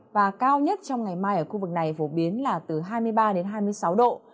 và cao nhất trong ngày mai ở khu vực này phổ biến là từ hai mươi ba đến hai mươi sáu độ